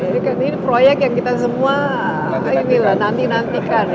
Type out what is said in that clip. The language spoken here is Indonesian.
dan ini proyek yang kita semua nanti nantikan